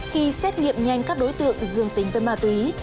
khi xét nghiệm nhanh các đối tượng dương tính với ma túy